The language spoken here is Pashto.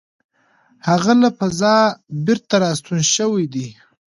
هغه له فضا بېرته راستون شوی دی.